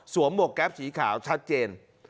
หมวกแก๊ปสีขาวชัดเจน